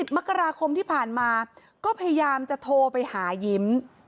มกราคมที่ผ่านมาก็พยายามจะโทรไปหายิ้ม